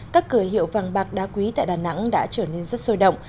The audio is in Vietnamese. các cửa hiệu vàng bạc đá quý tại đà nẵng đã trở nên rất sôi động